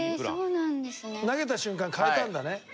長嶋：投げた瞬間変えたんだね。